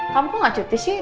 kamu gak cuti sih